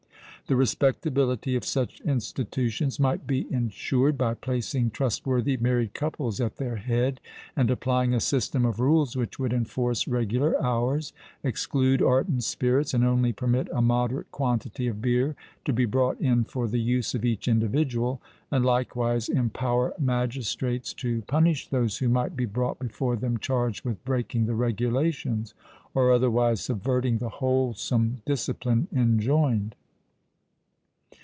The respectability of such institutions might be ensured by placing trustworthy married couples at their head, and applying a system of rules which would enforce regular hours, exclude ardent spirits, and only permit a moderate quantity of beer to be brought in for the use of each individual, and likewise empower magistrates to punish those who might be brought before them charged with breaking the regulations, or otherwise subverting the wholesome discipline enjoined.